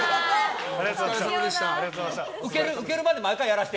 お疲れさまでした。